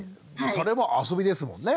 それもあそびですもんね。